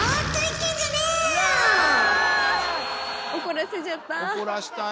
怒らせちゃった。